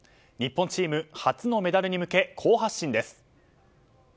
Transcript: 日本チーム初のメダルに向け好発進です。